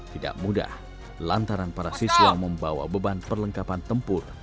tidak mudah lantaran para siswa membawa beban perlengkapan tempur